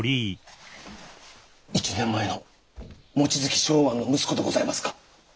１年前の望月松庵の息子でございますか？